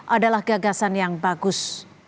adalah gagasan yang bagus